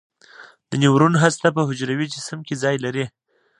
د نیورون هسته په حجروي جسم کې ځای لري.